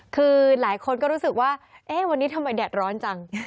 คือหลายคนก็รู้สึกว่าเอ๊ะวันนี้ทำไมแดดร้อนจัง